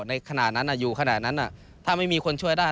ในขณะนั้นอยู่ขนาดนั้นถ้าไม่มีคนช่วยได้